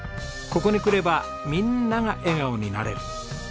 ここに来ればみんなが笑顔になれる。